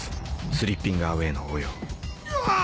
スリッピングアウェーの応用あぁ！